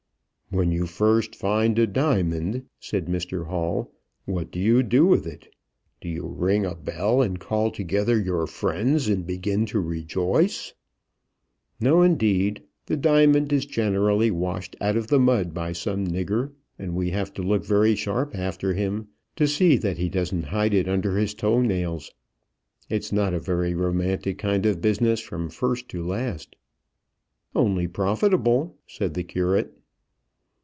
"When you first find a diamond," said Mr Hall, "what do you do with it? Do you ring a bell and call together your friends, and begin to rejoice." "No, indeed. The diamond is generally washed out of the mud by some nigger, and we have to look very sharp after him to see that he doesn't hide it under his toe nails. It's not a very romantic kind of business from first to last." "Only profitable," said the curate.